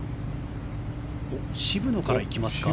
渋野から行きますか。